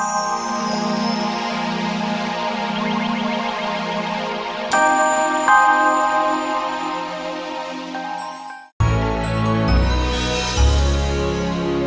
sama sama bye sam